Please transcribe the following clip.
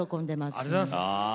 ありがとうございます！